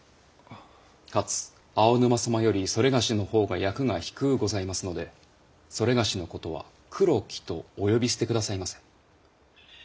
かつ青沼様よりそれがしのほうが役が低うございますのでそれがしのことは黒木とお呼び捨て下さいませ。